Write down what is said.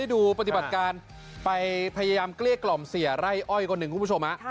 ดูปฏิบัติการไปพยายามเกลี้ยกล่อมเสียไร่อ้อยคนหนึ่งคุณผู้ชม